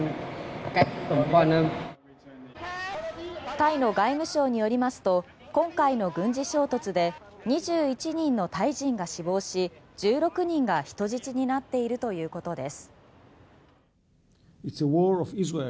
タイの外務省によりますと今回の軍事衝突で２１人のタイ人が死亡し１６人が人質になっているということです。